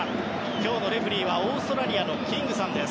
今日のレフェリーはオーストラリアのキングさんです。